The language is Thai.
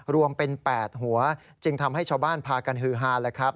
รวมเป็น๘หัวจึงทำให้ชาวบ้านพากันฮือฮาแล้วครับ